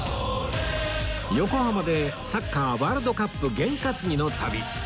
横浜でサッカーワールドカップ験担ぎの旅